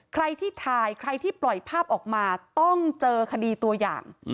ใครที่ถ่ายใครที่ปล่อยภาพออกมาต้องเจอคดีตัวอย่าง